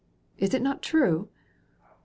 Is it not true ?